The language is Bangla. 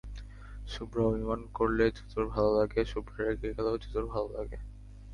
শুভ্রা অভিমান করলে জোজোর ভালো লাগে, শুভ্রা রেগে গেলেও জোজোর ভালো লাগে।